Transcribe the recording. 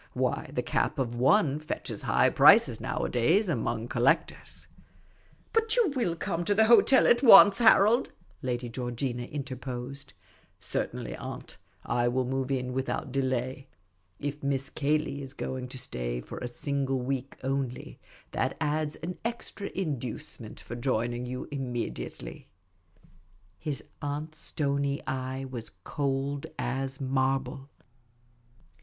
Why, the cap of one fetches high prices nowadays among collectors. ". 44 Miss Cayley's Adventures " But you will come to the hotel at once, Harold ?" Lady Georgina interposed. *' Certainly, aunt. I will move in without delay. If Miss Cayley is going to stay for a single week only, that adds one extra inducement for joining you immediately." His aunt's stony eye was cold as marble.